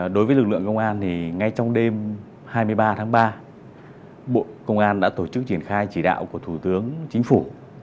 đối với lực lượng công an thì ngay trong đêm hai mươi ba tháng ba bộ công an đã tổ chức triển khai chỉ đạo của thủ tướng chính phủ